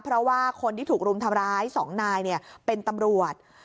เพราะว่าคนที่ถูกรุมทำร้าย๒นายเป็นตำรวจ